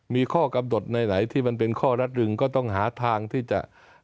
มีข้อกำหนดไหนที่มันเป็นข้อรัดรึงก็ต้องหาทางที่จะ